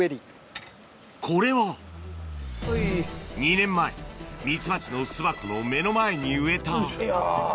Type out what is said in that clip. これは２年前ミツバチの巣箱の目の前に植えたいよ。